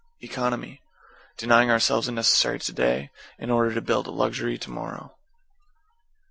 =ECONOMY= Denying ourselves a necessary to day in order to buy a luxury to morrow.